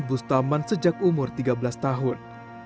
bustaman sejak umur tiga belas tahun